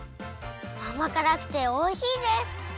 あまからくておいしいです！